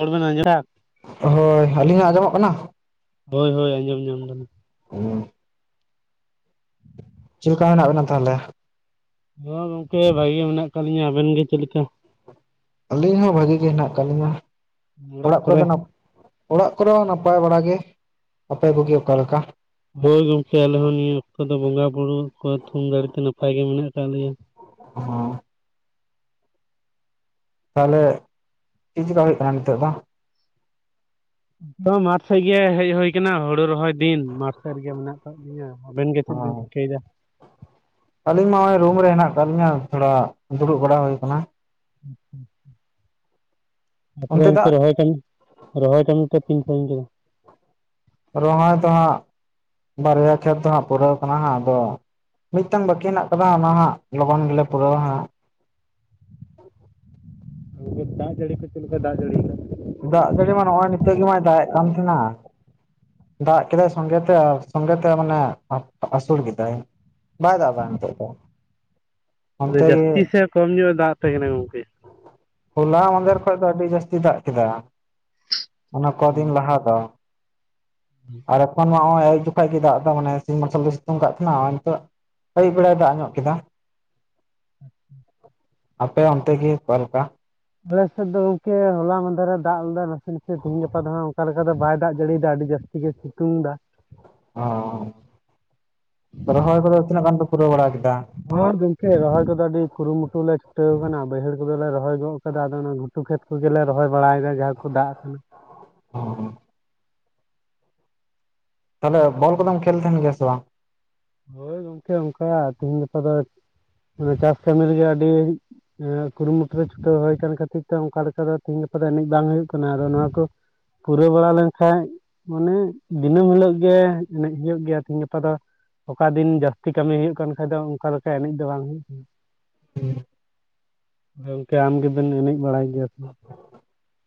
ᱨᱚᱲ ᱵᱮᱱ ᱟᱸᱡᱚᱢ ᱫᱟ ᱦᱳᱭ ᱟᱹᱞᱤᱧᱟᱜ ᱟᱸᱡᱚᱢᱚᱜ ᱠᱟᱱᱟ? ᱦᱳᱭ ᱦᱳᱭ ᱟᱸᱡᱚᱢ ᱧᱚᱢ ᱫᱟᱞᱤᱧ᱾ [unintelligible] ᱪᱮᱞᱠᱟ ᱢᱮᱱᱟᱜ ᱵᱮᱱᱟ ᱛᱟᱦᱚᱞᱮ? ᱦᱳᱭ ᱜᱚᱝᱠᱮ ᱵᱷᱟᱜᱮ ᱜᱮ ᱢᱮᱱᱟᱜ ᱠᱟᱜ ᱞᱤᱧᱟ᱾ ᱟᱵᱮᱱ ᱜᱮ ᱪᱮᱫ ᱞᱮᱠᱟ? ᱟᱹᱞᱤᱧ ᱦᱚᱸ ᱵᱷᱟᱜᱤ ᱜᱮ ᱦᱮᱱᱟᱜ ᱠᱟᱜ ᱞᱤᱧᱟ, ᱚᱲᱟᱜ ᱠᱚᱨᱮ ᱫᱚ ᱱᱟᱯ ᱚᱲᱟᱜ ᱠᱚᱨᱮ ᱦᱚ ᱱᱟᱯᱟᱭ ᱵᱟᱲᱟᱟᱜ ᱜᱮ᱾ ᱟᱯᱮ ᱠᱚᱜᱮ ᱚᱠᱟ ᱞᱮᱠᱟ? ᱦᱳᱭ ᱜᱚᱝᱠᱮ ᱟᱞᱮ ᱦᱚᱸ ᱱᱤᱭᱟᱹ ᱚᱠᱛᱚ ᱫᱚ ᱵᱚᱸᱜᱟ ᱵᱩᱨᱩ ᱠᱚ ᱛᱷᱩᱢ ᱫᱟᱲᱮ ᱛᱮ ᱱᱟᱯᱟᱭ ᱜᱮ ᱢᱮᱱᱟᱜ ᱟᱠᱟᱜ ᱞᱮᱭᱟ᱾ [inaudible] ᱛᱟᱦᱚᱞᱮ ᱪᱤᱜ ᱪᱮᱠᱟ ᱦᱩᱭᱩᱜ ᱠᱟᱱᱟ ᱱᱤᱛᱚᱜ ᱫᱚ? ᱢᱟᱴᱷ ᱥᱮᱜ ᱜᱮ ᱦᱮᱡ ᱦᱩᱭ ᱠᱟᱱᱟ ᱦᱳᱲᱳ ᱨᱚᱦᱚᱭ᱾ ᱫᱤᱱ ᱢᱟᱴᱷ ᱨᱮᱜᱮ ᱢᱮᱱᱟᱜ ᱟᱠᱟᱫ ᱞᱤᱧᱟᱹ᱾ ᱟᱵᱮᱱ ᱜᱮ ᱪᱮᱫ ᱵᱮᱱ ᱪᱤᱠᱟᱹᱭ ᱫᱟ? ᱟᱹᱞᱤᱧ ᱢᱟ ᱱᱚᱜᱼᱚᱭ ᱨᱩᱢ ᱨᱮ ᱦᱮᱱᱟᱜ ᱠᱟᱜ ᱞᱤᱧᱟᱹ, ᱛᱷᱚᱲᱟ ᱫᱩᱲᱩᱵ ᱵᱟᱲᱟ ᱦᱩᱭ ᱟᱠᱟᱱᱟ᱾ [inaudible] ᱟᱯᱮ ᱫᱚ ᱚᱱᱛᱮ ᱨᱚᱦᱚᱭ ᱠᱟᱹᱢᱤ, ᱨᱚᱦᱚᱭ ᱠᱟᱹᱢᱤ ᱠᱚ ᱛᱤᱱ ᱥᱟᱸᱜᱤᱧ ᱠᱮᱫᱟ? ᱨᱚᱦᱚᱭ ᱫᱚ ᱦᱟᱸᱜ ᱵᱟᱨᱭᱟ ᱠᱷᱮᱛ ᱫᱚ ᱦᱟᱸᱜ ᱯᱩᱨᱟᱹᱣ ᱠᱟᱱᱟ ᱦᱟᱸᱜ, ᱟᱫᱚ ᱢᱤᱫᱴᱟᱝ ᱵᱟᱹᱠᱤ ᱦᱮᱱᱟᱜ ᱠᱟᱫᱟ ᱦᱟᱹᱜ ᱚᱱᱟ ᱦᱟᱸᱜ ᱞᱚᱜᱚᱱ ᱜᱮᱞᱮ ᱯᱩᱨᱟᱹᱣᱟ ᱦᱟᱸᱜ᱾ ᱫᱟᱜ ᱡᱟᱹᱲᱤ ᱠᱚ ᱪᱮᱫ ᱞᱮᱠᱟ ᱫᱟᱜ ᱡᱟᱹᱲᱤᱭ ᱫᱟ? ᱫᱟᱜ ᱡᱟᱹᱲᱤ ᱢᱟ ᱱᱚᱜ ᱚᱭ ᱱᱤᱛᱚᱜ ᱜᱮ ᱢᱟᱭ ᱫᱟᱜ ᱮᱫ ᱠᱟᱱ ᱛᱟᱦᱮᱱᱟ᱾ ᱫᱟᱜ ᱠᱮᱫᱟᱭ ᱥᱚᱸᱜᱮᱛᱮ ᱟᱨ ᱥᱚᱸᱜᱮᱛᱮ ᱢᱟᱱᱮ ᱟᱹᱥᱳᱲ ᱠᱮᱫᱟᱭ᱾ ᱵᱟᱭ ᱫᱟᱜ ᱫᱟ ᱱᱤᱛᱳᱜ ᱫᱚ᱾ ᱟᱫᱚ ᱚᱱᱛᱮ ᱡᱟᱹᱥᱛᱤ ᱜᱮ ᱥᱮ ᱠᱚᱢ ᱧᱚᱜ ᱮ ᱫᱟᱜ ᱟᱯᱮ ᱠᱟᱱᱟ ᱜᱚᱝᱠᱮ? ᱦᱚᱞᱟ ᱢᱟᱫᱷᱮᱨ ᱠᱷᱚᱡ ᱫᱚ ᱟᱹᱰᱤ ᱡᱟᱹᱥᱛᱤ ᱫᱟᱜ ᱠᱮᱫᱟ, ᱚᱱᱟ ᱚ ᱠᱚᱫᱤᱱ ᱞᱟᱦᱟ ᱫᱚ᱾ ᱟᱨ ᱮᱠᱷᱚᱱ ᱢᱟ ᱱᱚᱜ ᱚᱭ ᱟᱭᱩᱵ ᱡᱚᱠᱷᱟᱡ ᱜᱮ ᱫᱟᱜ ᱫᱟ ᱢᱟᱱᱮ ᱥᱤᱧ ᱢᱟᱨᱥᱟᱞ ᱫᱚ ᱥᱤᱛᱩᱝ ᱠᱟᱜ ᱠᱟᱱᱟ ᱟᱨ ᱱᱤᱛᱚᱜ ᱟᱹᱭᱩᱵ ᱵᱮᱲᱟᱭ ᱫᱟᱜ ᱧᱚᱜ ᱠᱮᱫᱟ᱾ ᱟᱯᱮ ᱚᱱᱛᱮ ᱜᱮ ᱚᱠᱟ ᱞᱮᱠᱟ? ᱟᱞᱮ ᱥᱮᱫ ᱫᱚ ᱜᱚᱢᱠᱮ ᱦᱚᱞᱟ ᱢᱟᱫᱷᱮᱨ ᱫᱟᱜ ᱞᱮᱫᱟ ᱱᱟᱥᱮ ᱱᱟᱥᱮ ᱛᱮᱦᱮᱧ ᱜᱟᱯᱟ ᱫᱚ ᱦᱟᱸᱜ ᱚᱱᱠᱟ ᱞᱮᱠᱟ ᱫᱚ ᱵᱟᱭ ᱫᱟᱜ ᱡᱟᱹᱲᱤ ᱮᱫᱟ ᱟᱹᱰᱤ ᱡᱟᱹᱥᱛᱤ ᱜᱮ ᱥᱤᱛᱩᱝ ᱫᱟ ᱚ ᱨᱚᱦᱚᱭ ᱠᱚᱫᱚ ᱛᱤᱱᱟᱹᱜ ᱜᱟᱱ ᱯᱮ ᱯᱩᱨᱟᱹᱣ ᱵᱟᱲᱟ ᱠᱮᱫᱟ? ᱦᱮᱸ ᱜᱚᱝᱠᱮ ᱨᱚᱦᱚᱭ ᱠᱚᱫᱚ ᱟᱹᱰᱤ ᱠᱩᱨᱩᱢᱩᱴᱩ ᱞᱮ ᱪᱷᱩᱴᱟᱹᱣ ᱟᱠᱟᱱᱟ ᱵᱟᱹᱭᱦᱟᱹᱲ ᱠᱚᱫᱚᱞᱮ ᱨᱚᱦᱚᱭ ᱜᱚᱫ ᱟᱠᱟᱫᱟ ᱟᱫᱚ ᱚᱱᱟ ᱜ ᱠᱷᱮᱛ ᱠᱚᱜᱮᱞᱮ ᱨᱚᱦᱚᱭ ᱵᱟᱲᱟᱭᱮᱫᱟ ᱡᱟᱦᱟᱸ ᱠᱚ ᱫᱟᱜ ᱠᱟᱱᱟ᱾ [unintelligible] ᱛᱟᱦᱚᱸᱞᱮ ᱵᱚᱞ ᱠᱚᱫᱚᱢ ᱠᱷᱮᱞ ᱛᱟᱦᱮᱸᱱ ᱜᱮᱭᱟ ᱥᱮ ᱵᱟᱝ᱾ ᱦᱳᱭ ᱜᱚᱢᱠᱮ ᱚᱱᱠᱟ ᱛᱮᱤᱦᱮᱧ ᱜᱟᱯᱟ ᱫᱚ ᱪᱟᱥ ᱠᱟᱹᱢᱤ ᱨᱮᱜᱮ ᱟᱹᱰᱤ᱾ ᱮᱸ ᱠᱩᱨᱩᱢᱩᱴᱩᱨᱮ ᱪᱷᱩᱴᱟᱹᱣ ᱦᱳᱭ ᱠᱟᱱ ᱠᱷᱟᱹᱛᱤᱨ ᱛᱮ ᱚᱱᱠᱟ ᱞᱮᱠᱟ ᱫᱚ ᱛᱤᱦᱮᱸᱧ ᱜᱟᱯᱟ ᱫᱚ ᱮᱱᱮᱡ ᱵᱟᱝ ᱦᱩᱭᱩᱜ ᱠᱟᱱᱟ ᱟᱫᱚ ᱱᱚᱶᱟ ᱠᱚ᱾ ᱯᱩᱨᱟᱹᱣ ᱵᱟᱲᱟ ᱞᱮᱱᱠᱟᱱᱡ, ᱢᱟᱱᱮ ᱫᱤᱱᱟᱹᱢ ᱦᱤᱞᱳᱜ ᱜᱮ ᱮᱱᱮᱡ ᱦᱩᱭᱩᱜ ᱜᱮᱭᱟ ᱛᱤᱦᱤᱧ ᱜᱟᱯᱟ ᱫᱚ᱾ ᱚᱠᱟ ᱫᱤᱱ ᱡᱟᱹᱥᱛᱤ ᱠᱟᱹᱢᱤ ᱦᱩᱭᱩᱜ ᱠᱟᱱ ᱠᱷᱟ ᱫᱚ ᱚᱱᱠᱟ ᱞᱮᱠᱟ ᱮᱱᱮᱡ ᱫᱚ ᱵᱟᱝ ᱦᱩᱭᱩᱜ ᱜᱮᱭᱟ᱾ ᱟᱫᱚ ᱜᱚᱝᱠᱮ ᱟᱢ ᱜᱮᱵᱮᱢ ᱮᱱᱮᱡ ᱵᱟᱲᱟᱭ ᱜᱮᱭᱟ ᱛᱚ᱾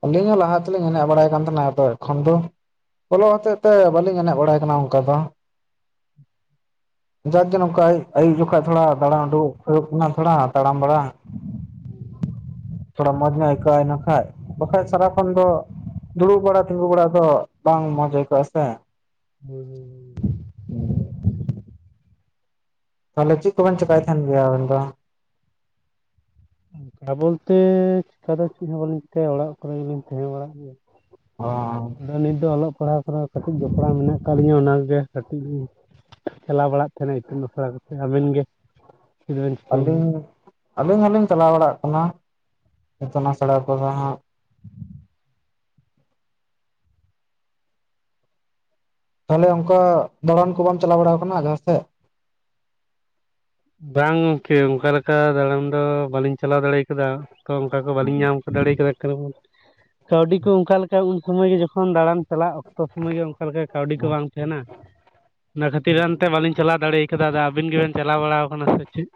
ᱟᱹᱞᱤᱧ ᱦᱚᱸ ᱞᱟᱦᱟ ᱛᱮᱞᱤᱧ ᱮᱱᱮᱡ ᱵᱟᱲᱟᱭ ᱠᱟᱱ ᱛᱟᱦᱮᱸᱱᱟ ᱟᱫᱚ ᱮᱠᱷᱚᱱ ᱫᱚ᱾ ᱚᱞᱚᱜ ᱦᱚᱛᱮᱡ ᱛᱮ ᱵᱟᱹᱞᱤᱧ ᱮᱱᱮᱡ ᱵᱟᱲᱟᱭ ᱠᱟᱱᱟ ᱚᱱᱠᱟ ᱫᱚ᱾ ᱡᱟᱠ ᱜᱮ ᱱᱚᱝᱠᱟ ᱟᱭᱩᱵ ᱡᱚᱠᱷᱚᱡ ᱛᱷᱚᱲᱟ ᱫᱟᱲᱟᱱ ᱩᱰᱩᱜᱚ ᱦᱩᱭᱩᱜ ᱛᱷᱚᱲᱟ ᱛᱟᱲᱟᱢ ᱵᱟᱲᱟ᱾ ᱛᱷᱚᱲᱟ ᱢᱚᱸᱡᱽ ᱧᱚᱜ ᱟᱹᱭᱠᱟᱹᱜ-ᱟ ᱱᱟᱜᱠᱷᱟᱡ᱾ ᱵᱟᱠᱷᱟᱡ ᱥᱟᱨᱟᱠᱷᱚᱱ ᱫᱚ ᱫᱩᱲᱩᱵ ᱵᱟᱲᱟ ᱛᱤᱸᱜᱩ ᱵᱟᱲᱟ ᱫᱚ, ᱵᱟᱝ ᱢᱚᱸᱡᱽ ᱟᱹᱭᱠᱟᱹᱜ-ᱟ ᱥᱮ᱾ [unintelligible] [unintelligible] ᱛᱟᱦᱚᱸᱞᱮ ᱪᱮᱫ ᱠᱚᱵᱮᱱ ᱪᱮᱠᱟᱭ ᱛᱟᱦᱮᱸᱱ ᱜᱮᱭᱟ ᱟᱵᱮᱱ ᱫᱚ᱾ ᱚᱱᱠᱟ ᱵᱚᱞᱛᱮ ᱪᱤᱠᱟ ᱫᱚ ᱪᱮᱫ ᱦᱚᱸ ᱵᱟᱹᱞᱤᱧ ᱪᱤᱠᱟᱹᱭᱟ ᱚᱲᱟᱜ ᱠᱚᱨᱮ ᱜᱮᱞᱤᱧ ᱛᱟᱦᱮᱸ ᱵᱟᱲᱟᱜ ᱜᱮᱭᱟ᱾ ᱚᱻ᱾ ᱟᱫᱚ ᱱᱤᱛ ᱫᱚ ᱚᱞᱚᱜ ᱯᱟᱲᱦᱟᱜ ᱠᱚᱨᱮ ᱠᱟᱹᱴᱤᱡ ᱡᱚᱯᱲᱟᱣ ᱢᱮᱱᱟᱜ ᱟᱠᱟᱫ ᱞᱤᱧᱟᱹ ᱚ ᱜᱮ ᱠᱟᱹᱴᱤᱡ ᱞᱤᱧ ᱪᱟᱞᱟᱣ ᱵᱟᱲᱟᱜ ᱛᱟᱦᱮᱸᱱᱟ ᱤᱛᱩᱱ ᱟᱥᱲᱟ ᱠᱚ ᱥᱮ ᱟᱵᱤᱱ ᱜᱮ ᱪᱮᱫ ᱵᱮᱱ ᱪᱤᱠᱟᱹᱭ ᱜᱮᱭᱟ ᱟᱹᱞᱤᱧ, ᱟᱹᱞᱤᱧ ᱦᱚᱞᱤᱧ ᱪᱟᱞᱟᱣ ᱵᱟᱲᱟᱜ ᱠᱟᱱᱟ, ᱤᱛᱩᱱ ᱟᱥᱲᱟ ᱠᱚᱫᱚ ᱦᱟᱸᱜ᱾ ᱛᱟᱦᱚᱸᱞᱮ ᱚᱱᱠᱟ ᱫᱟᱲᱟᱱ ᱠᱚ ᱵᱟᱢ ᱪᱟᱞᱟᱣ ᱵᱟᱲᱟ ᱟᱠᱟᱱᱟ ᱡᱟᱦᱟᱸ ᱥᱮᱫ᱾ ᱵᱟᱝ ᱜᱚᱝᱠᱮ ᱚᱱᱠᱟ ᱞᱮᱠᱟ ᱫᱟᱬᱟᱱ ᱫᱚ ᱵᱟᱹᱞᱤᱧ ᱪᱟᱞᱟᱣ ᱫᱟᱲᱮ ᱟᱠᱟᱫᱟ, ᱛᱚ ᱚᱱᱠᱟ ᱠᱚ ᱵᱟᱹᱞᱤᱧ ᱧᱟᱢ ᱫᱟᱲᱮ ᱠᱮᱫᱟ ᱟᱠᱟ ᱨᱮ ᱵᱚᱱ ᱠᱟᱹᱣᱰᱤ ᱠᱚ ᱚᱱᱠᱟ ᱞᱮᱠᱟ ᱩᱱ ᱥᱩᱢᱟᱹᱭ ᱜᱮ ᱡᱚᱠᱷᱚᱱ ᱫᱟᱬᱟᱱ ᱪᱟᱞᱟᱜ ᱚᱠᱛᱚ ᱥᱩᱢᱟᱹᱭ ᱜᱮ ᱚᱱᱠᱟ ᱞᱮᱠᱟ ᱠᱟᱹᱣᱰᱤ ᱠᱚ ᱵᱟᱝ ᱛᱟᱦᱮᱸᱱᱟ᱾ ᱚᱱᱟ ᱠᱷᱟᱹᱛᱤᱨ ᱦᱟᱱᱛᱮ ᱵᱟᱹᱞᱤᱧ ᱪᱟᱞᱟᱣ ᱫᱟᱲᱮ ᱟᱠᱟᱫᱟ, ᱟᱫᱚ ᱟᱹᱵᱤᱱ ᱜᱮᱵᱮᱱ ᱪᱟᱞᱟᱣ ᱵᱟᱲᱟ ᱠᱟᱱᱟ ᱥᱮ ᱪᱮᱫ᱾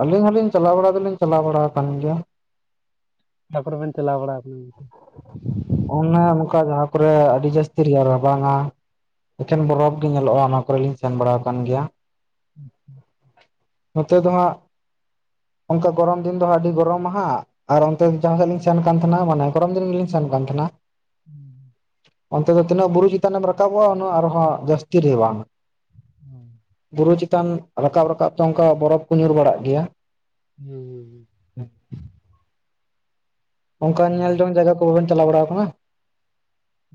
ᱟᱹᱞᱤᱧ ᱦᱚᱞᱤᱧ ᱪᱟᱞᱟᱣ ᱵᱟᱲᱟ ᱫᱚᱞᱤᱧ ᱪᱟᱞᱟᱣ ᱵᱟᱲᱟ ᱠᱟᱱ ᱜᱮᱭᱟ᱾ ᱚᱠᱟ ᱠᱚᱨᱮ ᱵᱤᱱ ᱪᱟᱞᱟᱣ ᱵᱟᱲᱟ ᱟᱠᱟᱱᱟ ᱜᱚᱝᱠᱮ? ᱚᱱᱮ ᱚᱱᱠᱟ ᱡᱟᱦᱟᱸ ᱠᱚᱨᱮ ᱟᱹᱰᱤ ᱡᱟᱹᱥᱛᱤ ᱨᱮᱭᱟᱲ ᱵᱟᱝᱟ᱾ ᱮᱠᱮᱱ ᱵᱚᱨᱚᱯᱷ ᱜᱮ ᱧᱮᱞᱚᱜ-ᱟ ᱚᱱᱟ ᱠᱚᱨᱮ ᱞᱤᱧ ᱥᱮᱱ ᱵᱟᱲᱟ ᱟᱠᱟᱱ ᱜᱮᱭᱟ᱾ [inaudible] ᱱᱚᱛᱮ ᱫᱚ ᱦᱟᱸᱜ, ᱚᱱᱠᱟ ᱜᱚᱨᱚᱢ ᱫᱤᱱ ᱫᱚ ᱦᱟᱸ ᱟᱹᱰᱤ ᱜᱚᱨᱚᱢᱟ ᱦᱟᱸᱜ᱾ ᱟᱨ ᱚᱱᱛᱮ ᱡᱟᱦᱟᱸᱥᱮᱫ ᱞᱤᱧ ᱥᱮᱱ ᱠᱟᱱ ᱛᱟᱦᱮᱸᱱᱟ ᱢᱟᱱᱮ ᱜᱚᱨᱚᱢ ᱫᱤᱱ ᱨᱮᱞᱤᱧ ᱥᱮᱱ ᱠᱟᱱ ᱛᱟᱦᱮᱸᱱᱟ᱾ [inaudible] ᱚᱱᱛᱮ ᱫᱚ ᱛᱤᱱᱟᱹᱜ ᱵᱩᱨᱩ ᱪᱮᱛᱟᱱᱮᱢ ᱨᱟᱠᱟᱵᱽ ᱟ ᱩᱱᱟᱹᱜ ᱟᱨᱦᱚᱸ ᱡᱟᱹᱥᱛᱤ ᱨᱟᱵᱟᱝ ᱜᱚᱝᱠᱮ ᱵᱩᱨᱩ ᱪᱮᱛᱟᱱ ᱨᱟᱠᱟᱵ ᱨᱟᱠᱟᱵ ᱛᱮ ᱚᱱᱠᱟ ᱵᱚᱨᱚᱯ ᱠᱚ ᱧᱩᱨ ᱵᱟᱲᱟᱜ ᱜᱮᱭᱟ᱾ ᱦᱩᱸ᱾ ᱚᱱᱠᱟ ᱧᱮᱞ ᱦᱩᱸ ᱡᱚᱝ ᱡᱟᱭᱜᱟ ᱠᱚ ᱵᱟᱵᱮᱱ ᱪᱟᱞᱟᱣ ᱵᱟᱲᱟ ᱟᱠᱟᱱᱟ᱾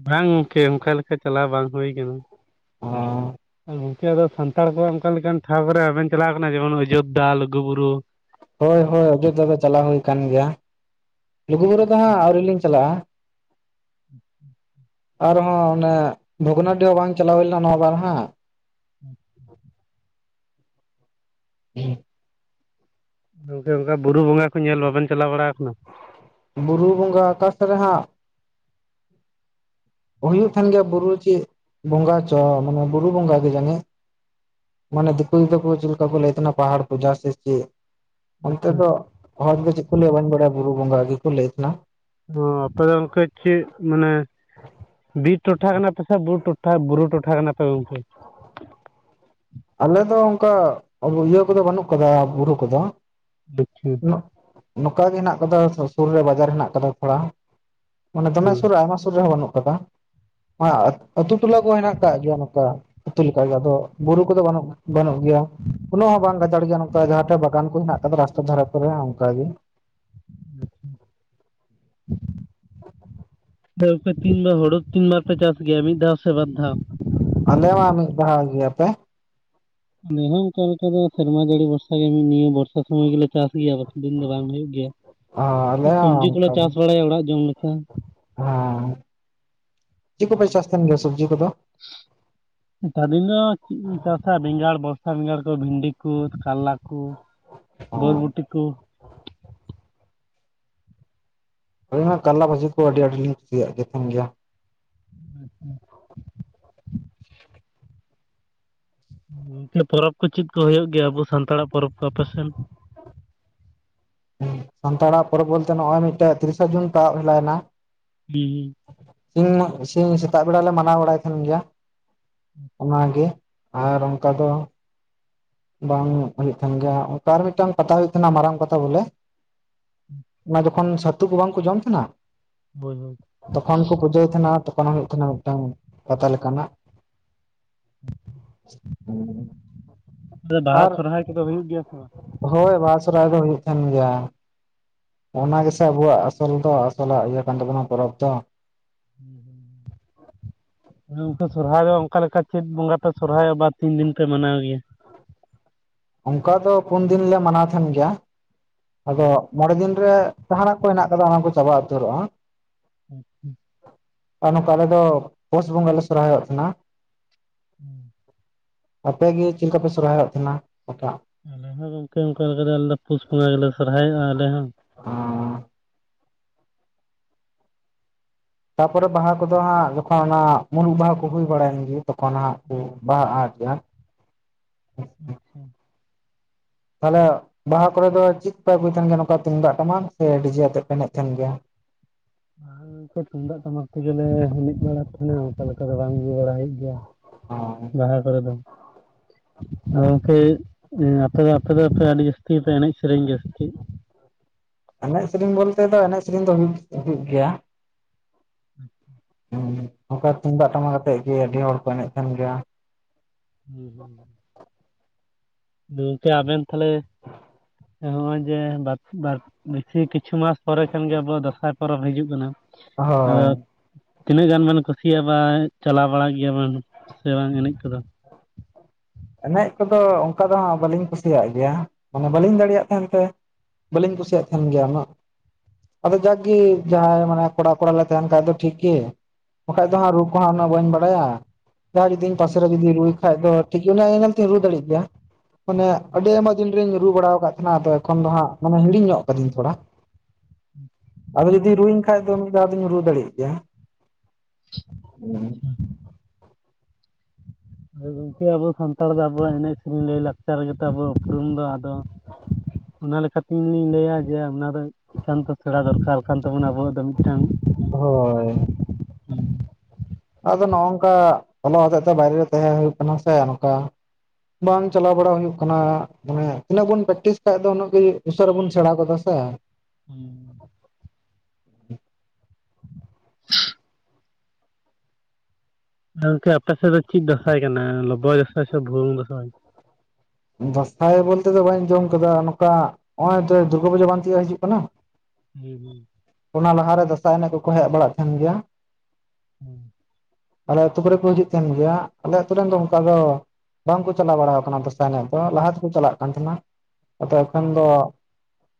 ᱵᱟᱝ ᱜᱚᱝᱠᱮ ᱚᱱᱠᱟ ᱞᱮᱠᱟ ᱪᱟᱞᱟᱣ ᱵᱟᱝ ᱦᱩᱭ ᱠᱟᱱᱟ᱾ ᱚᱻ᱾ ᱟᱨ ᱜᱚᱢᱠᱮ ᱟᱫᱚ ᱥᱟᱱᱛᱟᱲ ᱠᱚᱣᱟᱜ ᱚᱱᱠᱟ ᱞᱮᱠᱟᱱ ᱴᱷᱟᱶ ᱠᱚᱨᱮ ᱵᱟᱵᱮᱱ ᱪᱟᱞᱟᱣ ᱠᱟᱱᱟ ᱡᱮᱢᱚᱱ ᱚᱡᱳᱫᱽᱫᱷᱟ ᱞᱩᱜᱩ ᱵᱩᱨᱩ᱾ ᱦᱳᱭ ᱦᱳᱭ ᱚᱡᱳᱫᱫᱷᱟ ᱫᱚ ᱪᱟᱞᱟᱣ ᱦᱩᱭ ᱟᱠᱟᱱ ᱜᱮᱭᱟ᱾ ᱞᱩᱜᱩᱵᱩᱨᱩ ᱫᱚ ᱦᱟᱸᱜ ᱟᱹᱣᱨᱤ ᱞᱤᱧ ᱪᱟᱞᱟᱜᱼᱟ᱾ ᱟᱨᱦᱚᱸ ᱚᱱᱮ ᱵᱷᱚᱜᱽᱱᱟᱰᱤ ᱦᱚᱸ ᱵᱟᱝ ᱪᱟᱞᱟᱣ ᱦᱩᱭ ᱞᱮᱱᱟ ᱱᱚᱣᱟ ᱵᱟᱨ ᱦᱟᱸᱜ᱾ [unintelligible] ᱜᱚᱝᱠᱮ ᱚᱱᱠᱟ ᱵᱩᱨᱩ ᱵᱚᱸᱜᱟ ᱠᱚ ᱧᱮᱞ ᱵᱟᱵᱮᱱ ᱪᱟᱞᱟᱣ ᱵᱟᱲᱟ ᱟᱠᱟᱱᱟ? ᱵᱩᱨᱩ ᱵᱚᱸᱜᱟ ᱟᱠᱟᱥ ᱨᱮ ᱦᱟᱸᱜᱼᱼ ᱦᱩᱭᱩᱜ ᱠᱟᱱ ᱜᱮᱭᱟ ᱵᱩᱨᱩ ᱪᱮᱫ ᱵᱚᱸᱜᱟ ᱪᱚ ᱢᱟᱱᱮ ᱵᱩᱨᱩ ᱵᱚᱸᱜᱟ ᱜᱮ ᱡᱟᱱᱤᱡᱼᱼ ᱢᱟᱱᱮ ᱫᱤᱠᱩ ᱫᱚ ᱪᱮᱫ ᱞᱮᱠᱟ ᱠᱚ ᱞᱟᱹᱭ ᱛᱟᱦᱮᱱ ᱯᱟᱦᱟᱲ ᱯᱩᱡᱟ ᱥᱮ ᱪᱮᱫ᱾ ᱚᱱᱛᱮ ᱟᱪᱪᱷᱟ ᱫᱚ ᱦᱚᱲ ᱫᱚ ᱪᱮᱫ ᱠᱚ ᱞᱟᱹᱭᱟ ᱵᱟᱹᱧ ᱵᱟᱲᱟᱭᱟ ᱵᱩᱨᱩ ᱵᱚᱸᱜᱟ ᱜᱮ ᱠᱚ ᱞᱟᱹᱭᱮᱫ ᱛᱟᱦᱮᱱᱟ᱾ ᱚ ᱟᱯᱮ ᱫᱚ ᱚᱱᱠᱟ ᱪᱮᱫ ᱢᱟᱱᱮ ᱵᱤᱨ ᱴᱚᱴᱷᱟ ᱠᱟᱱᱟ ᱯᱮᱥᱮᱫ ᱵᱩᱴᱼᱼ ᱴᱚᱴᱷᱟ ᱵᱩᱨᱩ ᱴᱚᱴᱷᱟ ᱠᱟᱱᱟᱯᱮ ᱜᱚᱝᱠᱮ? ᱟᱞᱮ ᱫᱚ ᱚᱱᱠᱟ ᱤᱭᱟᱹ ᱠᱚᱫᱚ ᱵᱟᱹᱱᱩᱜ ᱟᱠᱟᱫᱟ ᱵᱩᱨᱩ ᱠᱚ ᱫᱚᱼᱼ [unintelligible] ᱱᱚᱝᱠᱟ ᱜᱮ ᱦᱮᱱᱟᱜ ᱟᱠᱟᱫᱟ ᱥᱩᱨ ᱨᱮ ᱵᱟᱡᱟᱨ ᱦᱮᱱᱟᱜ ᱟᱠᱟᱫᱟ ᱛᱷᱚᱲᱟ᱾ ᱢᱟᱱᱮ ᱫᱚᱢᱮ ᱥᱩᱨ ᱨᱮ ᱟᱭᱢᱟ ᱥᱩᱨ ᱨᱮ ᱦᱚᱸ ᱵᱟᱹᱱᱩᱜ ᱟᱠᱟᱫᱟ᱾ ᱦᱟᱸᱜ ᱟᱹᱛᱩ ᱴᱚᱞᱟ ᱠᱚ ᱦᱮᱱᱟᱜ ᱟᱠᱟᱜ ᱜᱮᱭᱟ ᱱᱚᱝᱠᱟ ᱟᱹᱛᱩ ᱞᱮᱠᱟ ᱜᱮ ᱟᱫᱚ ᱵᱩᱨᱩᱼᱼ ᱩᱱᱠᱩ ᱫᱚ ᱵᱟᱹᱱᱩᱜ ᱵᱟᱹᱱᱩᱜ ᱜᱮᱭᱟ᱾ ᱩᱱᱟᱜ ᱦᱚᱸ ᱵᱟᱝ ᱜᱟᱡᱟᱲ ᱜᱮᱭᱟ ᱱᱚᱝᱠᱟ ᱡᱟᱦᱟᱸ ᱴᱟᱜ ᱵᱟᱜᱟᱱ ᱠᱚ ᱦᱮᱱᱟᱜ ᱟᱠᱟᱫᱟ ᱨᱟᱥᱛᱟ ᱫᱷᱟᱨᱟ ᱠᱚᱨᱮ ᱚᱱᱠᱟ ᱜᱮᱼᱼ [inaudible] [unintelligible] ᱛᱤᱱ ᱵᱟᱨ ᱦᱳᱲᱳ ᱛᱤᱱ ᱵᱟᱨ ᱯᱮ ᱪᱟᱥ ᱜᱮᱭᱟ ᱢᱤᱫ ᱫᱷᱟᱣ ᱥᱮ ᱵᱟᱨ ᱫᱷᱟᱣ? ᱟᱞᱮᱢᱟ ᱢᱤᱫ ᱫᱷᱟᱣ ᱜᱮ ᱟᱯᱮ? ᱟᱞᱮ ᱦᱚᱸ ᱚᱱᱠᱟ ᱞᱮᱠᱟ ᱫᱚ ᱥᱮᱨᱢᱟ ᱡᱟᱹᱲᱤ ᱵᱚᱨᱥᱟ ᱜᱮ ᱱᱤᱭᱟᱹ ᱵᱚᱨᱼᱼ ᱥᱚᱵ ᱥᱚᱢᱚᱭ ᱜᱮᱞᱮ ᱪᱟᱥ ᱜᱮᱭᱟ ᱵᱟᱠᱤ ᱫᱤᱱ ᱫᱚ ᱵᱟᱝ ᱦᱩᱭᱩᱜ ᱜᱮᱭᱟ᱾ ᱟᱞᱮ ᱥᱚᱵᱽᱡᱤ ᱠᱚᱞᱮ ᱚᱱᱠᱟᱜᱮ ᱪᱟᱥ ᱵᱟᱲᱟᱭᱟ ᱚᱲᱟᱜ ᱡᱚᱢ ᱞᱮᱠᱟᱼᱼ ᱦᱮᱸ ᱪᱮᱫ ᱠᱚᱯᱮ ᱪᱟᱥ ᱛᱟᱦᱮᱱ ᱜᱮᱭᱟ ᱥᱚᱵᱡᱤ ᱠᱚ ᱫᱚ? ᱮᱴᱟ ᱫᱤᱱ ᱫᱚ ᱪᱮᱫ ᱪᱟᱥᱟ ᱵᱮᱸᱜᱟᱲ ᱵᱚᱨᱥᱟ ᱵᱮᱸᱜᱟᱲ ᱠᱚ ᱵᱷᱤᱱᱰᱤ ᱠᱚ ᱠᱟᱨᱞᱟ ᱠᱚ᱾ ᱵᱚᱨᱵᱩᱴᱤ ᱠᱚᱼᱼ ᱟᱹᱞᱤᱧ ᱢᱟ ᱠᱟᱨᱞᱟ ᱵᱷᱟᱡᱤ ᱠᱚ ᱟᱹᱰᱤ ᱟᱹᱰᱤ ᱞᱤᱧ ᱠᱩᱥᱤᱭᱟᱜ ᱠᱟᱱ ᱛᱟᱦᱮᱱ ᱜᱮᱭᱟ᱾ ᱟᱪᱪᱷᱟ ᱜᱚᱝᱠᱮ ᱯᱚᱨᱚᱵᱽ ᱠᱚ ᱪᱮᱫ ᱠᱚ ᱦᱩᱭᱩᱜ ᱜᱮᱭᱟ ᱟᱵᱚ ᱥᱟᱱᱛᱟᱲᱟᱜ ᱯᱚᱨᱚᱵᱽ ᱠᱚ ᱟᱯᱮ ᱥᱮᱱ? ᱮᱸ ᱥᱟᱱᱛᱟᱲᱟᱜ ᱯᱚᱨᱚᱵᱽ ᱵᱚᱞᱛᱮ ᱱᱚᱜ ᱚᱭ ᱢᱤᱫᱴᱟᱝ ᱛᱤᱨᱤᱥᱟ ᱡᱩᱱ ᱛᱟᱵ ᱦᱤᱞᱟᱭ ᱮᱱᱟ᱾ ᱦᱮᱸ ᱥᱤᱧ [inaudible] ᱥᱤᱧ ᱥᱮᱛᱟᱜ ᱵᱮᱲᱟ ᱞᱮ ᱢᱟᱱᱟᱣ ᱵᱟᱲᱟᱭ ᱛᱟᱦᱮᱱ ᱜᱮᱭᱟ᱾ ᱚᱱᱟ ᱜᱮ ᱟᱨ ᱚᱱᱠᱟ ᱫᱚᱼᱼ ᱵᱟᱝ ᱦᱩᱭᱩᱜ ᱠᱟᱱ ᱜᱮᱭᱟ ᱚᱱᱠᱟ ᱢᱤᱫᱴᱟᱝ ᱠᱟᱛᱷᱟ ᱦᱩᱭᱩᱜ ᱠᱟᱱᱟ ᱢᱟᱨᱟᱝ ᱠᱟᱛᱷᱟ ᱵᱚᱞᱮᱼᱼ ᱚᱱᱟ ᱡᱚᱠᱷᱚᱱ ᱪᱷᱟᱹᱛᱩ ᱠᱚ ᱵᱟᱝᱠᱩ ᱡᱚᱢ ᱛᱟᱦᱮᱸᱱᱟ ᱦᱳᱭ ᱦᱳᱭ ᱛᱚᱠᱷᱚᱱ ᱠᱚ ᱯᱩᱡᱟᱹ ᱛᱟᱦᱮᱸᱱᱟ ᱛᱚᱠᱷᱚᱱ ᱦᱩᱭᱩᱜ [inaudible] ᱛᱤᱱᱟᱹᱜ ᱴᱟᱣᱚᱱ ᱯᱟᱛᱟ ᱞᱮᱠᱟᱱᱟᱜ [unintelligible] ᱞᱮᱠᱟᱱᱟᱜ ᱟᱫᱚ ᱵᱟᱦᱟ ᱥᱚᱨᱚᱦᱟᱭ ᱠᱚ ᱫᱚ ᱦᱩᱭᱩᱜ ᱜᱮᱭᱟ ᱥᱮ ᱵᱟᱝ? ᱦᱳᱭ ᱵᱟᱦᱟ ᱥᱚᱨᱚᱦᱟᱭ ᱫᱚ ᱦᱩᱭᱩᱜ ᱛᱟᱦᱮᱱ ᱜᱮᱭᱟ᱾ ᱚᱱᱟ ᱜᱮᱥᱮ ᱟᱵᱚᱣᱟᱜ ᱟᱥᱚᱞ ᱫᱚ ᱟᱥᱚᱞᱟᱜ ᱤᱭᱟᱹ ᱠᱟᱱ ᱛᱟᱵᱚᱱᱟ ᱯᱚᱨᱚᱵᱽ ᱫᱚᱼᱼ [inaudible] ᱥᱚᱨᱚᱦᱟᱭ ᱫᱚ ᱚᱱᱠᱟ ᱞᱮᱠᱟᱼᱼ ᱪᱮᱫ ᱵᱚᱸᱜᱟ ᱯᱮ ᱥᱚᱨᱦᱟᱭᱚᱜᱼᱟᱵᱟᱨ ᱛᱤᱱ ᱫᱤᱱ ᱯᱮ ᱢᱟᱱᱟᱣ ᱜᱮᱭᱟ? ᱚᱱᱠᱟ ᱫᱚ ᱯᱩᱱ ᱫᱤᱱ ᱞᱮ ᱢᱟᱱᱟᱣ ᱛᱟᱦᱮᱱ ᱜᱮᱭᱟ ᱟᱫᱚᱼᱼ ᱢᱚᱬᱮ ᱫᱤᱱ ᱨᱮ ᱡᱟᱦᱟᱱᱟᱜ ᱠᱚ ᱦᱮᱱᱟᱜ ᱠᱟᱫᱟ ᱚᱱᱟ ᱠᱚ ᱪᱟᱵᱟ ᱩᱛᱟᱹᱨᱚᱜᱼᱟ᱾ ᱦᱩᱸ ᱦᱩᱸ ᱟᱨ ᱱᱚᱝᱠᱟ ᱟᱞᱮ ᱫᱚ ᱯᱩᱥ ᱵᱚᱸᱜᱟ ᱞᱮ ᱥᱚᱨᱦᱟᱭᱚᱜ ᱛᱟᱦᱮᱱᱟ ᱾ ᱟᱯᱮ ᱜᱤ ᱪᱮᱫ ᱞᱮᱠᱟᱯᱮ ᱥᱚᱨᱦᱟᱭᱚᱜ ᱛᱟᱦᱮᱱᱟ ᱚᱴᱟᱜᱼᱼ ᱟᱞᱮ ᱦᱚᱸ ᱜᱚᱝᱠᱮ ᱚᱱᱠᱟ ᱞᱮᱠᱟ ᱟᱞᱮ ᱫᱚ ᱯᱩᱥ ᱵᱚᱸᱜᱟ ᱜᱮᱞᱮ ᱥᱚᱨᱦᱟᱭᱚᱜᱼᱟ ᱟᱞᱮ ᱦᱚᱸ᱾ ᱚᱸᱻ ᱛᱟᱯᱚᱨᱮ ᱵᱟᱦᱟ ᱠᱚ ᱫᱚ ᱦᱟᱸᱜ ᱡᱚᱠᱷᱚᱱ ᱚᱱᱟ ᱢᱩᱨᱩᱜ ᱵᱟᱦᱟ ᱠᱚ ᱦᱩᱭ ᱵᱟᱲᱟᱭᱮᱱ ᱜᱮᱼᱼ ᱛᱚᱠᱷᱚᱱ ᱦᱟᱸᱜ ᱠᱚ ᱵᱟᱦᱟ ᱟᱴᱚ ᱜᱮᱭᱟ ᱟᱪᱪᱷᱟ ᱛᱟᱦᱚᱞᱮ ᱵᱟᱦᱟ ᱠᱚᱨᱮᱜ ᱫᱚ ᱪᱮᱫᱯᱮ ᱟᱹᱜᱩᱭ ᱛᱟᱦᱮᱱ ᱜᱮᱭᱟ, ᱱᱚᱝᱠᱟ ᱛᱩᱢᱫᱟᱜ ᱴᱟᱢᱟᱠ ᱥᱮ ᱰᱤᱡᱮ ᱟᱛᱮᱫ ᱯᱮ ᱮᱱᱮᱡ ᱛᱟᱦᱮᱸᱱ ᱜᱮᱭᱟ? ᱦᱚᱸ ᱚᱱᱠᱟ ᱛᱩᱢᱫᱟᱜ ᱴᱟᱢᱟᱠ ᱛᱮᱜᱮᱞᱮ ᱮᱱᱮᱡ ᱵᱟᱲᱟᱜ ᱛᱟᱦᱮᱸᱱᱟ, ᱚᱱᱠᱟ ᱞᱮᱠᱟ ᱫᱚ ᱵᱟᱝ ᱟᱹᱜᱩ ᱵᱟᱲᱟ ᱦᱩᱭᱩᱜ ᱜᱮᱭᱟ ᱾ [unintelligible] ᱵᱟᱦᱟ ᱠᱚᱨᱮᱜ ᱫᱚ ᱟᱫᱚ, ᱜᱚᱝᱠᱮ ᱟᱯᱮ ᱫᱚ ᱟᱯᱮ ᱫᱚ ᱟᱯᱮ ᱟᱹᱰᱤ ᱡᱟᱹᱥᱛᱤ ᱜᱮᱯᱮ ᱮᱱᱮᱡ ᱥᱮᱨᱮᱧ ᱜᱮᱭᱟ ᱥᱮ ᱪᱮᱫ? ᱮᱱᱮᱡ ᱥᱮᱨᱮᱧ ᱵᱚᱞᱛᱮ ᱫᱚ ᱮᱱᱮᱡ ᱥᱮᱨᱮᱧ ᱫᱚ ᱦᱩᱭᱩᱜ ᱦᱩᱭᱩᱜ ᱜᱮᱭᱟ ᱾ ᱟᱪᱪᱷᱟ ᱾ ᱦᱚᱸ ᱚᱱᱠᱟ ᱛᱩᱢᱫᱟᱜ ᱴᱟᱢᱟᱠ ᱟᱛᱮᱜ ᱜᱮ ᱟᱹᱰᱤ ᱦᱚᱲ ᱠᱚ ᱮᱱᱮᱡ ᱛᱟᱦᱮᱱ ᱜᱮᱭᱟ ᱾ ᱦᱩᱸ ᱦᱩᱸ ᱦᱩᱸ᱾ ᱜᱚᱝᱠᱮ ᱟᱵᱮᱱ ᱛᱟᱦᱚᱞᱮ ᱦᱚᱸᱜᱼᱚᱭ ᱡᱮ ᱵᱟᱨ ᱵᱟᱨ ᱵᱮᱥᱤ ᱠᱤᱪᱷᱩ ᱢᱟᱥ ᱯᱚᱨᱮ ᱠᱷᱟᱱᱜᱮ ᱟᱵᱚᱣᱟᱜ ᱫᱟᱸᱥᱟᱭ ᱯᱚᱨᱚᱵᱽ ᱦᱤᱡᱩᱜ ᱠᱟᱱᱟ ᱦᱳᱭ ᱟᱫᱚ ᱛᱤᱱᱟᱹᱜ ᱜᱟᱱ ᱵᱮᱱ ᱠᱩᱥᱤᱭᱟᱜᱼᱟ ᱵᱟ ᱪᱟᱞᱟᱣ ᱵᱟᱲᱟᱜ ᱜᱮᱭᱟ ᱵᱮᱱ ᱥᱮ ᱵᱟᱝ ᱮᱱᱮᱡ ᱠᱚᱫᱚ? ᱮᱱᱮᱡ ᱠᱚᱫᱚ ᱚᱱᱠᱟ ᱫᱚ ᱦᱟᱸᱜ ᱵᱟᱹᱞᱤᱧ ᱠᱩᱥᱤᱭᱟᱜ ᱜᱮᱭᱟ ᱢᱟᱱᱮ ᱵᱟᱹᱞᱤᱧ ᱫᱟᱲᱮᱭᱟᱜ ᱛᱟᱦᱮᱸᱱ ᱛᱮ ᱾ ᱵᱟᱹᱞᱤᱧ ᱠᱩᱥᱤᱭᱟᱜ ᱛᱟᱦᱮᱱ ᱜᱮᱭᱟ ᱩᱱᱟᱹᱜ ᱾ ᱟᱫᱚ ᱡᱟᱜᱽᱜᱮ ᱡᱟᱦᱟᱸᱭ ᱢᱟᱱᱮ ᱠᱚᱲᱟ ᱠᱚᱲᱟ ᱞᱮ ᱛᱟᱦᱮᱱ ᱠᱷᱟᱡ ᱫᱚ ᱛᱦᱤᱠ ᱜᱮ ᱾ ᱵᱟᱝᱠᱷᱟᱡ ᱫᱚ ᱦᱟᱸᱜ ᱨᱩ ᱠᱚᱦᱚ ᱦᱟᱸᱜ ᱩᱱᱟᱹᱜ ᱵᱟᱹᱧ ᱵᱟᱲᱟᱭᱟ ᱡᱟᱦᱟᱸᱭ ᱡᱩᱫᱤ ᱤᱧ ᱯᱟᱥᱮᱨᱮ ᱡᱩᱫᱤ ᱨᱩᱭ ᱠᱷᱟᱡ ᱫᱚ ᱴᱷᱤᱠ ᱩᱱᱤᱭᱟᱜ ᱧᱮᱞ ᱧᱮᱞᱛᱤᱧᱚ ᱨᱩ ᱫᱟᱲᱮ ᱜᱮᱭᱟ ᱾ ᱢᱟᱱᱮ ᱟᱹᱰᱤ ᱟᱭᱢᱟ ᱫᱤᱱ ᱨᱤᱧ ᱨᱩ ᱵᱟᱲᱟ ᱟᱠᱟᱫ ᱛᱟᱦᱮᱸᱱᱟ ᱟᱫᱚ ᱮᱠᱷᱚᱱ ᱫᱚ ᱦᱟᱸᱜ ᱢᱟᱱᱮ ᱦᱤᱲᱤᱧ ᱧᱚᱜ ᱠᱟᱫᱟᱹᱧ ᱛᱷᱚᱲᱟ ᱾ [inaudible] ᱟᱫᱚ ᱡᱩᱫᱤ ᱨᱩᱣᱟᱹᱧ ᱠᱷᱟᱡ ᱫᱚ ᱢᱤᱫ ᱫᱷᱟᱣ ᱫᱩᱧ ᱨᱩ ᱫᱟᱲᱮᱭᱟᱜ ᱜᱮᱭᱟ ᱾ ᱦᱳᱭ ᱜᱚᱝᱠᱮ ᱟᱵᱚ ᱥᱟᱱᱛᱟᱲ ᱫᱚ ᱟᱵᱚᱣᱟᱜ ᱮᱱᱮᱡ ᱥᱮᱨᱮᱧ ᱞᱟᱭᱼᱞᱟᱠᱪᱟᱨ ᱜᱮᱛᱚ ᱟᱵᱚᱣᱟᱜ ᱩᱯᱨᱩᱢ ᱫᱚ ᱟᱫᱚ ᱚᱱᱟ ᱞᱮᱠᱟᱛᱮ ᱤᱧ ᱫᱩᱧ ᱞᱟᱹᱭᱟ ᱡᱮ ᱚᱯᱱᱟᱨ ᱮᱠᱟᱱᱛᱚ ᱥᱮᱬᱟ ᱫᱚᱨᱠᱟᱨ ᱠᱟᱱ ᱛᱟᱵᱚᱱᱟ ᱟᱵᱚᱣᱟᱜ ᱫᱚ ᱢᱤᱫᱴᱟᱝ ᱦᱳᱭ ᱾ ᱟᱫᱚ ᱱᱚᱜ ᱱᱚᱝᱠᱟ ᱚᱞᱚᱜ ᱦᱚᱛᱮᱡ ᱛᱮ ᱵᱟᱭᱨᱮ ᱨᱮ ᱛᱟᱦᱮᱸ ᱦᱩᱭᱩᱜ ᱠᱟᱱᱟ ᱥᱮ ᱱᱚᱝᱠᱟ ᱵᱟᱝ ᱪᱟᱞᱟᱣ ᱵᱟᱲᱟ ᱦᱩᱭᱩᱜ ᱠᱟᱱᱟ᱾ ᱢᱟᱱᱮ ᱛᱤᱱᱟᱹᱜ ᱵᱚᱱ ᱯᱨᱮᱠᱴᱤᱥ ᱠᱷᱟᱡ ᱫᱚ ᱩᱱᱟᱹᱜ ᱜᱮ ᱩᱥᱟᱹᱨᱟ ᱵᱚᱱ ᱥᱮᱬᱟ ᱜᱚᱫᱟ ᱥᱮ? ᱦᱩᱸ ᱾ ᱦᱮᱸᱜᱚᱝᱠᱮ ᱟᱯᱮ ᱥᱮᱫ ᱫᱚ ᱪᱮᱫ ᱫᱟᱸᱥᱟᱭ ᱠᱟᱱᱟ? ᱞᱚᱵᱚᱭ ᱫᱟᱸᱥᱟᱭ ᱥᱮ ᱵᱷᱩᱣᱟᱹᱝ ᱫᱟᱸᱥᱟᱭ? ᱫᱟᱸᱥᱟᱭ ᱵᱚᱞᱛᱮ ᱫᱚ ᱵᱟᱹᱧ ᱟᱡᱚᱢ ᱟᱠᱟᱫᱟ, ᱱᱚᱝᱠᱟ ᱱᱚᱜᱼᱚᱭ ᱛᱚ ᱫᱩᱨᱜᱟᱹ ᱯᱩᱡᱟᱹ ᱵᱟᱝ ᱛᱤᱭᱟᱹᱜ ᱦᱤᱡᱩᱜ ᱠᱟᱱᱟ ᱦᱩᱸ ᱦᱩᱸ ᱾ ᱚᱱᱟ ᱞᱟᱦᱟᱨᱮ ᱫᱟᱸᱥᱟᱭ ᱮᱱᱮᱡ ᱠᱚᱠᱚ ᱦᱮᱡ ᱵᱟᱲᱟᱜ ᱛᱟᱦᱮᱸᱱ ᱜᱮᱭᱟ ᱾ ᱦᱩᱸ ᱾ ᱟᱞᱮ ᱟᱛᱳ ᱠᱚᱨᱮᱜ ᱠᱚ ᱦᱤᱡᱩᱜ ᱛᱟᱦᱮᱱ ᱜᱮᱭᱟ, ᱟᱞᱮ ᱟᱛᱳ ᱨᱮᱱ ᱫᱚ ᱚᱱᱠᱟ ᱫᱚ ᱵᱟᱝᱠᱚ ᱪᱟᱞᱟᱣ ᱵᱟᱲᱟ ᱟᱠᱟᱱᱟ ᱫᱟᱥᱟ ᱥᱟᱭ ᱮᱱᱮᱡ ᱫᱚ ᱞᱟᱦᱟ ᱛᱮᱠᱚ ᱪᱟᱞᱟᱜ ᱠᱟᱱ ᱛᱟᱦᱮᱱᱟ, ᱟᱫᱚ ᱮᱠᱷᱚᱱ ᱫᱚ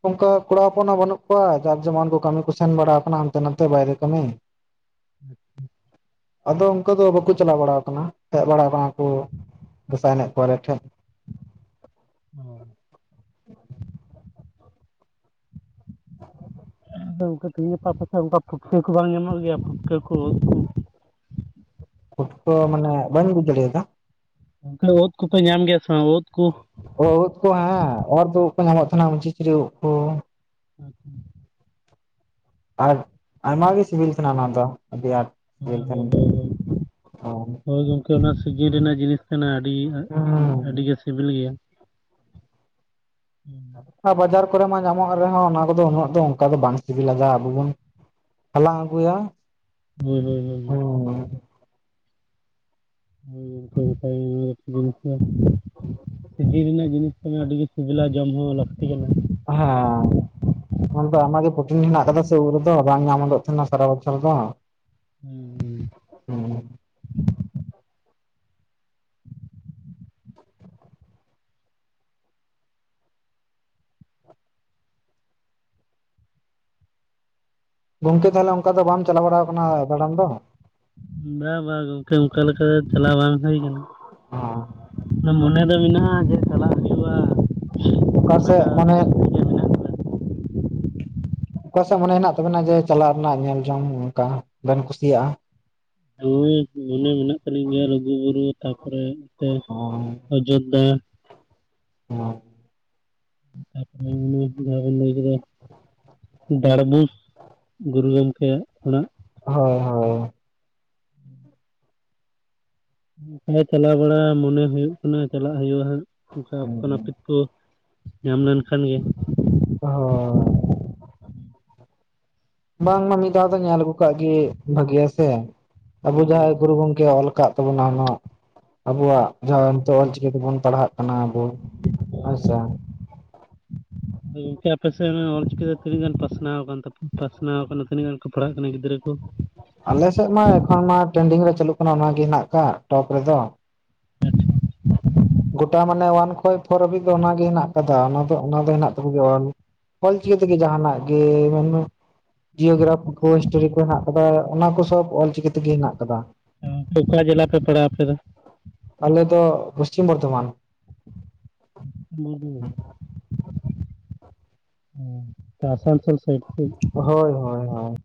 ᱚᱱᱠᱟ ᱠᱚᱲᱟ ᱦᱚᱯᱚᱱ ᱦᱚᱸ ᱵᱟᱹᱱᱩᱜ ᱠᱚᱣᱟ, ᱡᱟᱨ ᱡᱮᱢᱚᱱ ᱠᱚ ᱠᱟᱹᱢᱤ ᱠᱚ ᱥᱮᱱ ᱵᱟᱲᱟ ᱟᱠᱟᱱᱟ ᱦᱟᱱᱛᱮ ᱱᱟᱛᱮ ᱵᱟᱭᱨᱮ ᱠᱟᱹᱢᱤ? ᱟᱪᱪᱷᱟ ᱾ ᱟᱫᱚ ᱚᱱᱠᱟ ᱫᱚ ᱵᱟᱠᱚ ᱪᱟᱞᱟᱣ ᱵᱟᱲᱟ ᱟᱠᱟᱱᱟ, ᱦᱮᱡ ᱵᱟᱲᱟ ᱟᱠᱟᱱᱟ ᱠᱚ ᱫᱟᱸᱥᱟᱭ ᱮᱱᱮᱡ ᱠᱚ ᱟᱞᱮ ᱴᱷᱮᱱ ᱾ ᱚ ᱾ [unintelligible] ᱟᱫᱚ ᱚᱱᱠᱟ ᱛᱤᱦᱤᱧ ᱜᱟᱯᱟ ᱟᱯᱮ ᱥᱮᱫ ᱚᱱᱠᱟ ᱯᱩᱴᱠᱟᱹ ᱠᱚ ᱵᱟᱝ ᱧᱟᱢᱚᱜ ᱜᱮᱭᱟ, ᱯᱩᱴᱠᱟᱹ ᱠᱚ ᱩᱫ ᱠᱚ? ᱯᱩᱴᱠᱟ. ᱢᱟᱱᱮ ᱵᱟᱹᱧ ᱵᱩᱡ ᱫᱟᱲᱮᱭᱟᱫᱟ? ᱚᱱᱠᱟ ᱩᱫ ᱠᱚᱯᱮ ᱧᱟᱢ ᱜᱮᱭᱟ ᱥᱮ ᱵᱟᱝ ᱩᱫ ᱠᱚ? ᱚ ᱩᱫ ᱠᱚ, ᱦᱮᱸ ᱚᱨ ᱛᱩ ᱩᱫ ᱠᱚ ᱧᱟᱢᱚᱜ ᱛᱟᱦᱮᱱᱟ ᱢᱩᱪᱤᱪᱷᱩᱨᱤ ᱩᱫ ᱠᱚ᱾ [unintelligible] ᱟᱨ ᱟᱭᱢᱟᱜ ᱜᱮ ᱥᱤᱵᱤᱞ ᱛᱟᱦᱮᱸᱱᱟ ᱚᱱᱟ ᱫᱚ ᱟᱹᱰᱤ ᱟᱸᱴ᱾ ᱦᱳᱭ ᱥᱤᱵᱤᱞ ᱛᱟᱦᱮᱱ ᱦᱳᱭ ᱜᱮᱭᱟ ᱦᱳᱭ, ᱦᱩᱸ ᱦᱳᱭ ᱜᱚᱢᱠᱮ ᱚᱱᱟ ᱥᱤᱡᱤᱱ ᱨᱮᱱᱟᱜ ᱡᱤᱱᱤᱥ ᱠᱟᱱᱟ ᱾ ᱟᱹᱰᱤ ᱟᱹᱰᱤ ᱜᱮ ᱥᱤᱵᱤᱞ ᱜᱮᱭᱟ᱾ [unintelligible] ᱟᱨ ᱵᱟᱡᱟᱨ ᱠᱚᱨᱮ ᱢᱟ ᱧᱟᱢᱚᱜ ᱨᱮᱦᱚᱸ ᱚᱱᱟ ᱠᱚᱫᱚ ᱩᱱᱟᱹᱜ ᱫᱚ ᱚᱱᱠᱟ ᱫᱚ ᱵᱟᱝ ᱥᱤᱵᱤᱞᱟ ᱟᱵᱚ ᱵᱚᱱ ᱦᱟᱞᱟᱝ ᱟᱜᱩᱭᱟ ᱾ ᱦᱳᱭ ᱦᱳᱭ ᱦᱳᱭ ᱾ [unintelligible] ᱥᱤᱡᱤᱱ ᱨᱮᱱᱟᱜ ᱡᱤᱱᱤᱥ‌ ᱠᱟᱱᱟ ᱟᱹᱰᱤᱜᱮ ᱥᱤᱵᱤᱞᱟ ᱡᱚᱢ ᱦᱚᱸ ᱞᱟᱹᱠᱛᱤ ᱠᱟᱱᱟ ᱾ ᱟᱦᱟ ᱢᱮᱱᱫᱚ ᱟᱭᱢᱟ ᱜᱮ ᱯᱨᱚᱴᱤᱱ ᱦᱮᱱᱟᱜ ᱟᱠᱟᱫᱟ ᱥᱮ ᱩᱫ ᱨᱮᱫᱚ᱾ ᱵᱟᱝ ᱧᱟᱢᱫᱚᱜ ᱛᱟᱦᱮᱱᱟ ᱥᱟᱨᱟ ᱵᱚᱪᱷᱚᱨ ᱫᱚ ᱾ ᱦᱩᱸ ᱾ ᱦᱩᱸ ᱾ ᱜᱚᱝᱠᱮ ᱛᱟᱦᱚᱞᱮ ᱚᱱᱠᱟ ᱫᱚ ᱵᱟᱢ ᱪᱟᱞᱟᱣ ᱵᱟᱲᱟ ᱟᱠᱟᱱᱟ ᱫᱟᱬᱟᱱ ᱫᱚ? ᱵᱟᱝ ᱵᱟᱝ ᱜᱚᱝᱠᱮ ᱚᱱᱠᱟ ᱞᱮᱠᱟ ᱪᱟᱞᱟᱣ ᱵᱟᱝ ᱦᱩᱭ ᱠᱟᱱᱟ᱾ ᱟᱫᱚ ᱢᱚᱱᱮ ᱫᱚ ᱢᱮᱱᱟᱜᱼᱟ ᱡᱮ ᱪᱟᱞᱟᱜ ᱦᱩᱭᱩᱜ-ᱟ ᱾ ᱚᱠᱟ ᱥᱮ ᱢᱟᱱᱮ ᱜᱮ ᱢᱮᱱᱟᱜ ᱚᱠᱟ ᱥᱮᱫ ᱢᱚᱱᱮ ᱦᱮᱱᱟᱜ ᱛᱟᱵᱮᱱᱟ ᱡᱮ ᱪᱟᱞᱟᱜ ᱨᱮᱱᱟᱜ ᱧᱮᱞ ᱡᱚᱝ ᱚᱱᱠᱟ ᱵᱮᱱ ᱠᱩᱥᱤᱭᱟᱜᱼᱟ? ᱱᱚᱜᱚᱭ ᱢᱚᱱᱮ ᱢᱮᱱᱟᱜ ᱛᱟᱹᱟᱞᱤᱧ ᱜᱮᱭᱟ ᱞᱩᱜᱩ ᱵᱩᱨᱩ ᱛᱟᱯᱚᱨᱮ ᱱᱚᱛᱮ ᱚᱡᱚᱽᱫᱷᱟ᱾ [unintelligible] ᱛᱟᱨᱯᱚᱨᱮ [inaudible] ᱞᱟᱹᱭ ᱠᱮᱫᱟ [inaudible] ᱜᱩᱨᱩ ᱜᱚᱢᱠᱮᱭᱟᱜ ᱠᱷᱚᱱᱟᱜ ᱦᱳᱭ ᱦᱳᱭ ᱾ ᱚᱱᱠᱟᱭ ᱪᱟᱞᱟᱣ ᱵᱟᱲᱟᱜ ᱢᱚᱱᱮ ᱦᱩᱭᱩᱜ ᱠᱟᱱᱟ ᱪᱟᱞᱟᱜ ᱦᱩᱭᱩᱜᱼᱟ, ᱦᱟᱸᱜ ᱚᱱᱠᱟᱠᱷᱚᱱ ᱟᱯᱮ ᱠᱚ ᱧᱟᱢ ᱞᱮᱱᱠᱷᱟᱱ ᱜᱮ [unintelligible] ᱵᱟᱝᱢᱟ ᱢᱤᱫ ᱫᱷᱟᱣ ᱫᱚ ᱧᱮᱞ ᱟᱹᱜᱩ ᱠᱟᱜ ᱜᱮ ᱵᱷᱟᱹᱜᱭᱟ ᱥᱮ ᱾ ᱟᱵᱚ ᱦᱩᱸ ᱡᱟᱦᱟᱸᱭ ᱦᱩᱸ ᱜᱩᱨᱩ ᱜᱚᱝᱠᱮ ᱚᱞ ᱟᱠᱟᱫ ᱛᱟᱵᱚᱱᱟ ᱚᱱᱟ ᱟᱵᱚᱣᱟᱜ ᱡᱟᱦᱟᱸ ᱱᱤᱛᱚᱜ ᱚᱞᱪᱤᱠᱤ ᱛᱮᱵᱚᱱ ᱯᱟᱲᱦᱟᱜ ᱠᱟᱱᱟ ᱟᱵᱚ ᱦᱮᱸᱥᱮ ᱾ ᱜᱚᱝᱠᱮ ᱟᱯᱮ ᱥᱮᱫ ᱚᱱᱟ ᱚᱞ ᱪᱤᱠᱤᱛᱮ ᱛᱤᱱᱟᱹᱜ ᱜᱟᱱ ᱯᱟᱥᱱᱟᱣ ᱟᱠᱟᱱ ᱛᱟᱯᱮ ᱯᱟᱥᱱᱟᱣ ᱠᱟᱱᱟ? ᱛᱤᱱᱟᱹᱜ ᱜᱟᱱ ᱠᱚ ᱯᱟᱲᱦᱟᱜ ᱠᱟᱱᱟ ᱜᱤᱫᱽᱨᱟᱹ ᱠᱚ? ᱟᱞᱮ ᱥᱮᱫ ᱢᱟ ᱮᱠᱷᱚᱱ ᱢᱟ ᱴᱨᱮᱱᱰᱤᱝ ᱨᱮ ᱪᱟᱹᱞᱩᱜ ᱠᱟᱱᱟ ᱚᱱᱟᱜᱮ ᱦᱮᱱᱟᱜ ᱟᱠᱟᱫ ᱴᱚᱯ ᱨᱮᱫᱚ᱾ ᱜᱚᱴᱟ ᱢᱟᱱᱮ ᱚᱣᱟᱱ ᱠᱷᱚᱡ ᱯᱷᱳᱨ ᱦᱟᱹᱵᱤᱡ ᱫᱚ ᱚᱱᱟᱜᱮ ᱦᱮᱱᱟᱜ ᱟᱠᱟᱫᱟ ᱚᱱᱟ ᱫᱚ ᱚᱱᱟ ᱫᱚ ᱦᱮᱱᱟᱜ ᱛᱟᱠᱚ ᱜᱮᱭᱟ᱾ ᱚᱞ ᱪᱤᱠᱤ ᱛᱮᱜᱮ ᱡᱟᱦᱱᱟᱜ ᱜᱮ ᱢᱮᱱᱢᱮ ᱡᱤᱭᱳᱜᱨᱟᱯᱷᱤ ᱠᱚ ᱦᱤᱥᱴᱳᱨᱤ ᱠᱚ ᱦᱮᱱᱟᱜ ᱟᱠᱟᱫᱟ ᱚᱱᱟ ᱠᱚ ᱥᱚᱵ ᱚᱞᱪᱤᱠᱤ ᱛᱮᱜᱮ ᱦᱮᱱᱟᱜ ᱟᱠᱟᱫᱟ ᱾ ᱦᱮᱸ ᱜᱚᱝᱠᱮ ᱚᱠᱟ ᱡᱮᱞᱟ ᱯᱮ ᱯᱟᱲᱟᱜ ᱟᱯᱮ ᱫᱚ? ᱟᱞᱮ ᱫᱚ ᱯᱚᱥᱪᱷᱤᱢ ᱵᱚᱨᱫᱷᱚᱢᱟᱱ ᱾ [unintelligible] ᱟᱥᱟᱱᱥᱳᱞ ᱥᱟᱭᱤᱰ [inaudible] ᱦᱳᱭ ᱦᱳᱭ ᱦᱳᱭ ᱾